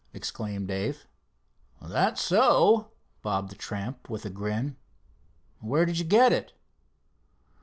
exclaimed Dave. "That's so," bobbed the tramp with a grin. "Where did you get it?"